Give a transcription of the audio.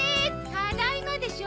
ただいまでしょ！